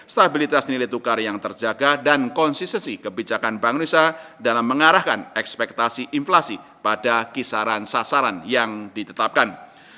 stabilitas nilai tukar yang terjaga dan konsistensi kebijakan bank indonesia dalam mengarahkan ekspektasi inflasi pada kisaran sasaran yang ditetapkan